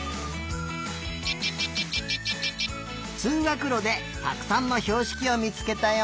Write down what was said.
つうがくろでたくさんのひょうしきをみつけたよ。